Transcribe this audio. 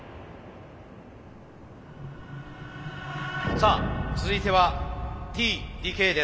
さあ続いてはＴ・ＤＫです。